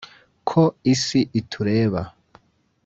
uko isi itureba